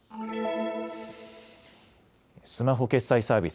スマホ決済サービス